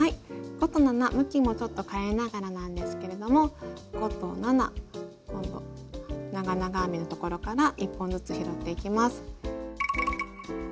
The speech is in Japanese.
５と７向きもちょっと変えながらなんですけれども５と７今度長々編みのところから１本ずつ拾っていきます。